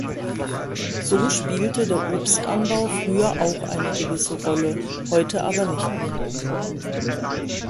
So spielte der Obstanbau früher auch eine gewisse Rolle, heute aber nicht mehr.